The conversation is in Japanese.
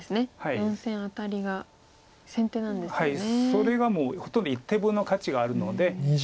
それがもうほとんど１手分の価値があるので。